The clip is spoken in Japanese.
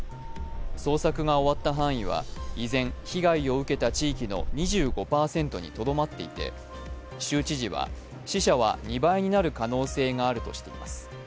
捜索が終わった範囲は依然、被害を受けた地域の２５％にとどまっていて州知事は死者は２倍になる可能性があるとしています。